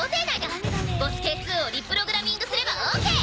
ボスＫー２をリプログラミングすればオーケー！